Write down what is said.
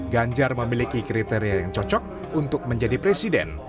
ganjar memiliki kriteria yang cocok untuk menjadi presiden